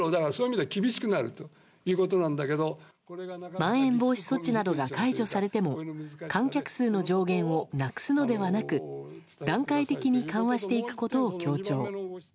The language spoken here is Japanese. まん延防止措置などが解除されても観客数の上限をなくすのではなく段階的に緩和していくことを強調。